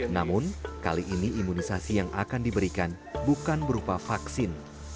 namun kali ini imunisasi yang akan diberikan bukan berupa vaksin